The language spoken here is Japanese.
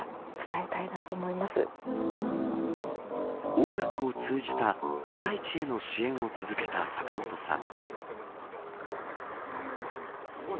音楽を通じた被災地への支援を続けた坂本さん。